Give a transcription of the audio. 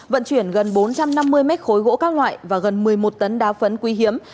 vận chuyển gần bốn trăm năm mươi mét khối gỗ các loại và gần một mươi một tấn đá phấn quý hiếm